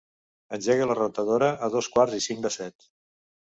Engega la rentadora a dos quarts i cinc de set.